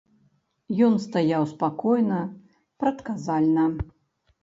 Ён стаяў спакойна, прадказальна.